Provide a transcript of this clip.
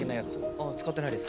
あ使ってないです。